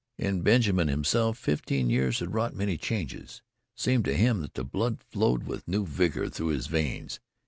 In Benjamin himself fifteen years had wrought many changes. It seemed to him that the blood flowed with new vigour through his veins.